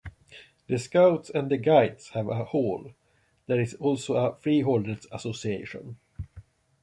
The scouts and guides have a hall; there is also a Freeholders' Association.